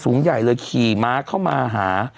สูงใหญ่เลยขี่ม้าเข้ามาหา